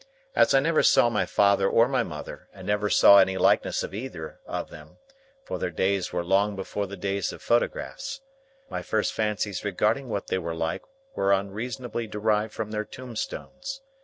As I never saw my father or my mother, and never saw any likeness of either of them (for their days were long before the days of photographs), my first fancies regarding what they were like were unreasonably derived from their tombstones.